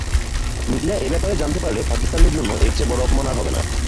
Media এ ব্যাপারে জানতে পারলে, পাকিস্তানের জন্য এরচেয়ে বড়ো অপমান আর হবে না।